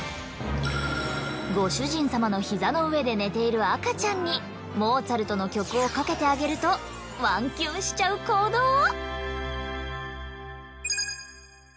ご主人さまの膝の上で寝ている赤ちゃんにモーツァルトの曲をかけてあげるとワンキュンしちゃう行動を！